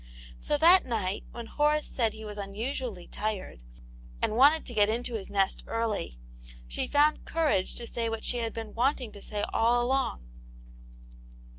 So that night when Horace said he was unusually tired, and wanted to ^^t mto V\i t^'e.s^t Aunt Jane's Hero. iii early, she found courage to say what she had been wanting to say all along.